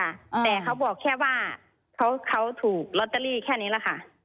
แต่เขาบอกแค่ว่าเขาเขาถูกลอตเตอรี่แค่นี้แหละค่ะ